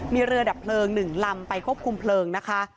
มีเรือดับเพลิง๑ลำไปควบคุมเพลิงนะคะ